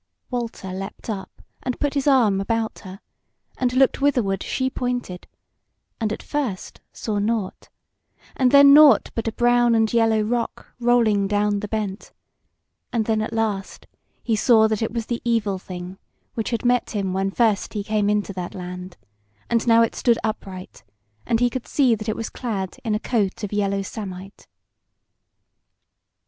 Walter leapt up and put his arm about her, and looked whitherward she pointed, and at first saw nought; and then nought but a brown and yellow rock rolling down the bent: and then at last he saw that it was the Evil Thing which had met him when first he came into that land; and now it stood upright, and he could see that it was clad in a coat of yellow samite.